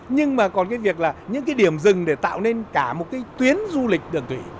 nhưng mà còn cái việc là những cái điểm rừng để tạo nên cả một cái tuyến du lịch đường thủy